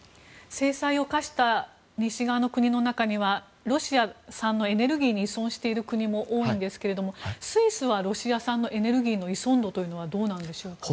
制裁を科した西側の国の中にはロシア産のエネルギーに依存している国も多いんですがスイスはロシア産のエネルギーの依存度というのはどうなんでしょうか。